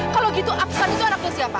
kalau gitu aksan itu anaknya siapa